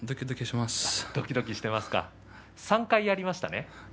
３回やりましたね。